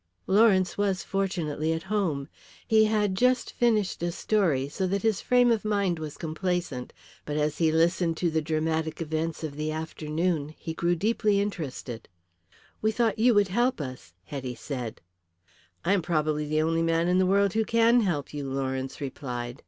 Lawrence was fortunately at home. He had just finished a story, so that his frame of mind was complaisant. But as he listened to the dramatic events of the afternoon he grew deeply interested. "We thought you would help us," Hetty said. "I am probably the only man in the world who can help you," Lawrence replied.